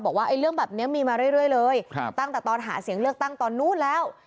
บอกว่าเรื่องแบบนี้มีมาเรื่อยเลยตั้งแต่ตอนหาเสียงเลือกตั้งตอนนู้นแล้ว